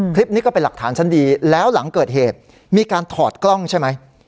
คลิปนี้ก็เป็นหลักฐานชั้นดีแล้วหลังเกิดเหตุมีการถอดกล้องใช่ไหม